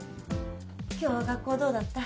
今日は学校どうだった？